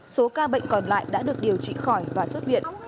số ca bệnh còn lại đã được điều trị khỏi và xuất viện